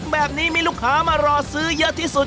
แบบนี้มีลูกค้ามารอซื้อเยอะที่สุด